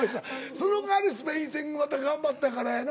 そのかわりスペイン戦また頑張ったからやな。